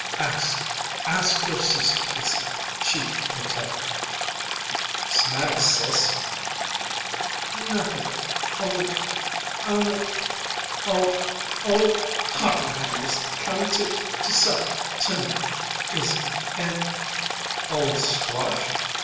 "Ask ask your sister, Izzy; she can tell you." "'Smater, sis?" "N nothing only only old old Hochenheimer's coming to to supper to night, Izzy; and " "Old Squash!